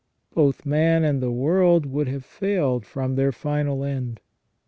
Both man and the world would have failed from their final end.